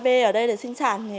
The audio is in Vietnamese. trăn nuôi ba b ở đây để sinh sản